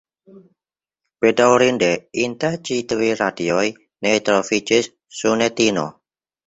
Bedaŭrinde inter ĉi tiuj radioj ne troviĝis Sunetino.